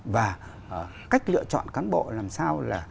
và cách lựa chọn cán bộ làm sao là